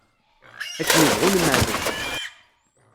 Akken ibɣu nmerret.